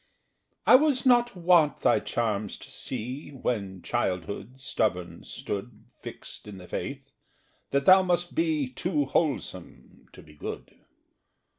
I was not wont thy charms to see When childhood stubborn stood Fix'd in the faith, that thou must be Too wholesome to be good.